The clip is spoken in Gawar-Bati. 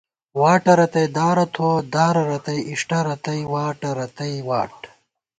واٹہ رتئ دارہ تھووَہ ، دارہ رتئ اِݭٹہ ، رتئ واٹہ رتئ واٹ